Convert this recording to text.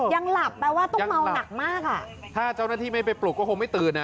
ยังหลับแปลว่าต้องเมาหนักมากอ่ะถ้าเจ้าหน้าที่ไม่ไปปลุกก็คงไม่ตื่นอ่ะ